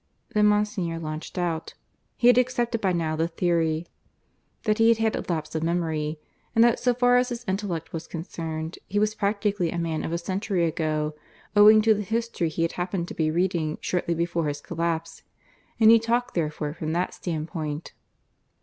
Then Monsignor launched out. He had accepted by now the theory that he had had a lapse of memory, and that so far as his intellect was concerned, he was practically a man of a century ago, owing to the history he had happened to be reading shortly before his collapse; and he talked therefore from that standpoint.